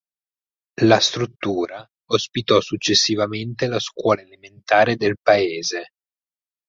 La struttura ospitò successivamente la scuola elementare del paese.